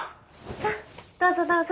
さあどうぞどうぞ。